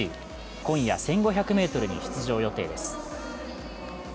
今夜、１５００ｍに出場予定です。